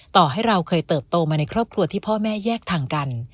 ต่อให้เราเคยเติบโตมาในครอบครัวที่พ่อแม่แยกทางกัน